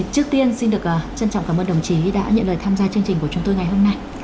trước tiên xin được trân trọng cảm ơn đồng chí đã nhận lời tham gia chương trình của chúng tôi ngày hôm nay